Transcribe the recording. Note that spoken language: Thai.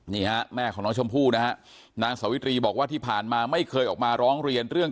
แม่ของน้องชมพู่นะฮะนางสวิตรีบอกว่าที่ผ่านมาไม่เคยออกมาร้องเรียนเรื่อง